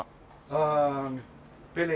ああペレ。